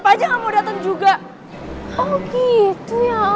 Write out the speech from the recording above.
poesinya romannya tentang ibu bagus juga